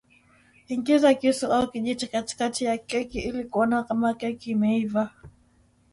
Ingiza kisu au kijiti katikati ya keki ili kuona kama keki imeiva